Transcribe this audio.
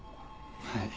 はい。